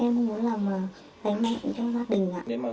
em muốn làm cái mạng cho gia đình